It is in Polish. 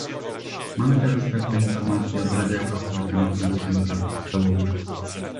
Mamy teraz pewne informacje od Rady Europy na temat naruszeń praw podstawowych